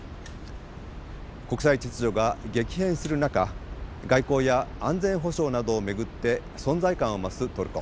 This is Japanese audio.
国際秩序が激変する中外交や安全保障などを巡って存在感を増すトルコ。